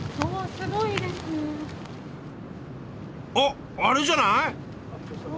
あっあれじゃない？